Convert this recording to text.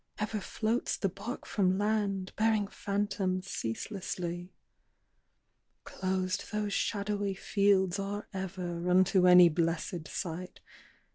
Ever floats the bark from land, Bearing phantoms ceaselessly. "Closed those shadowy fields are ever Unto any blessèd sight.